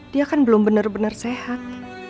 dia kan belum bener bener sehat